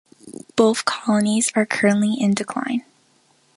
Both colonies are currently in decline.